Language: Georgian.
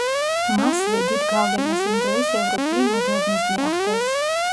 მასზე დიდ გავლენას იმ დროის ევროპული მოდერნიზმი ახდენს.